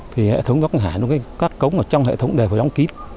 thì hệ thống bắc hải nó cắt cống vào trong hệ thống để phải đóng kít